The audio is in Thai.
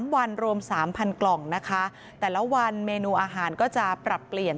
๓วันรวม๓๐๐กล่องนะคะแต่ละวันเมนูอาหารก็จะปรับเปลี่ยน